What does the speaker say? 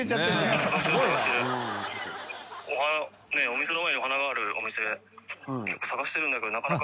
お店の前にお花があるお店結構探してるんだけど大雅Ｄ）